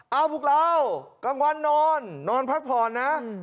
เอาพวกเรากลางวันนอนนอนพักผ่อนนะ